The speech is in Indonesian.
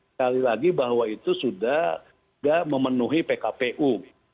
sekali lagi bahwa itu sudah tidak memenuhi pkpu